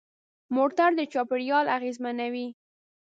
موټر د چاپېریال اغېزمنوي.